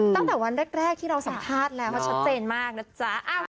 ตั้งแต่วันแรกที่เราสัมภาษณ์แล้วเขาชัดเจนมากนะจ๊ะ